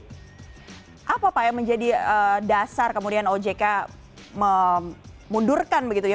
pada saat ini apakah ini adalah dasar kemudian ojk memundurkan begitu ya